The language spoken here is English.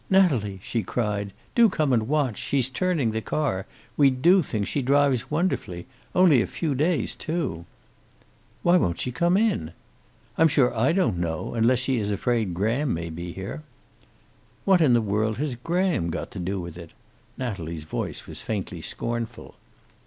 "Natalie!" she cried. "Do come and watch. She's turning the car. We do think she drives wonderfully. Only a few days, too." "Why won't she come in?" "I'm sure I don't know. Unless she is afraid Graham may be here." "What in the world has Graham got to do with it?" Natalie's voice was faintly scornful.